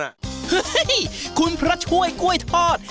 เฮ้ยคุณพระช่วยกล้วยทอด